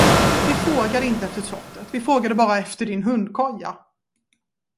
Vi frågade inte efter slottet, vi frågade bara efter din hundkoja.